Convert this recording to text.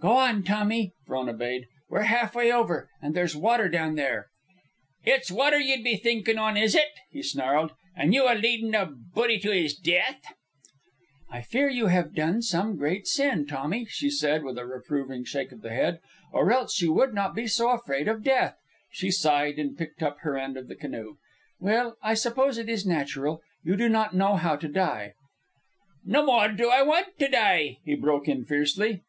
"Go on, Tommy," Frona bade. "We're half way over, and there's water down there." "It's water ye'd be thinkin' on, is it?" he snarled, "and you a leadin' a buddie to his death!" "I fear you have done some great sin, Tommy," she said, with a reproving shake of the head, "or else you would not be so afraid of death." She sighed and picked up her end of the canoe. "Well, I suppose it is natural. You do not know how to die " "No more do I want to die," he broke in fiercely.